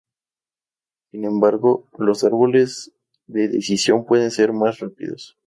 Sin embargo, los árboles de decisión pueden ser más rápidos.